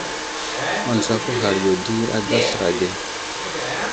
Mənzako ghar yo di ada aslər age.